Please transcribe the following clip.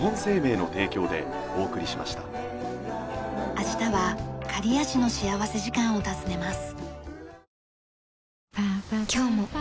明日は刈谷市の幸福時間を訪ねます。